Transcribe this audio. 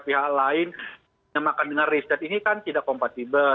otaknya asal analogi yang digunakan pak otto